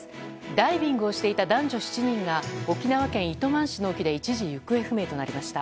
ダイビングをしていた男女７人が沖縄県糸満市の沖で一時行方不明となりました。